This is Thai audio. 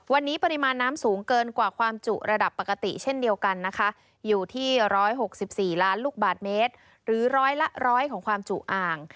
วันนี้ปริมาณน้ำสูงเกินกว่าความจุระดับปกติเช่นเดียวกันนะคะอยู่ที่๑๖๔ล้านลูกบาทเมตรหรือร้อยละร้อยของความจุอ่าง